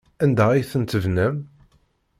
Anda ay ten-tebnam?